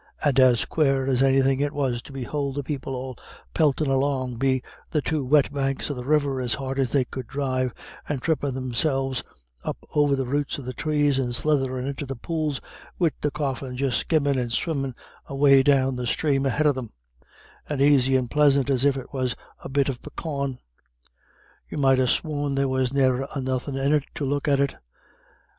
And as quare as anythin' it was to behould the people all peltin' along be the two wet banks of the river as hard as they could dhrive, and thrippin' theirselves up over the roots of the trees, and slitherin' into the pools, wid the coffin just skimmin' and swimmin' away down the sthrame ahead of them, as aisy and plisant as if it was a bit of a pookawn. You might ha' sworn there was ne'er a nothin' in it, to look at it.